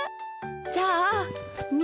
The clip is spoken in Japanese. じゃあみ